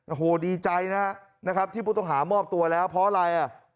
โอ้โหดีใจนะครับที่ผู้ต้องหามอบตัวแล้วเพราะอะไรอ่ะ